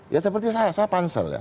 ya seperti saya saya pansel ya